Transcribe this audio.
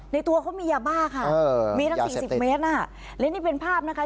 ในตัวเขามียาบ้าค่ะมีทั้ง๔๐เมตรและนี่เป็นภาพนะคะ